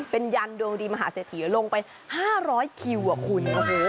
เป็นยันดวงดีมหาเศรษฐีลงไป๕๐๐คิวอะคุณ